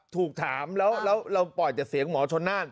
ถูกถามแล้วเราปล่อยแต่เสียงหมอชนน่าน